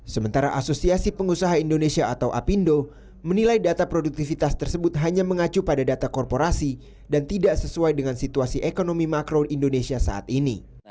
sementara asosiasi pengusaha indonesia atau apindo menilai data produktivitas tersebut hanya mengacu pada data korporasi dan tidak sesuai dengan situasi ekonomi makro indonesia saat ini